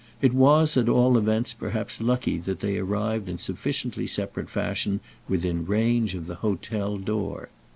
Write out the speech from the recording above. It was at all events perhaps lucky that they arrived in sufficiently separate fashion within range of the hotel door.